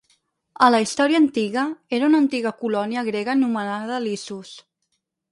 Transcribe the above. A la història antiga, era una antiga colònia grega anomenada Lissus.